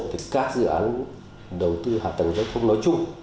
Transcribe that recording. thì các dự án đầu tư hạ tầng giao thông nói chung